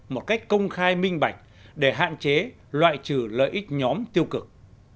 một cách công khai minh bạch để hạn chế loại trừ lợi ích nhóm tiêu cực